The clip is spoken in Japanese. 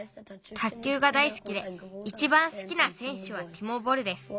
卓球が大好きでいちばん好きなせんしゅはティモ・ボルです。